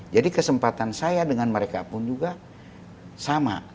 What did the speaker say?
jadi kesempatan saya dengan mereka pun juga sama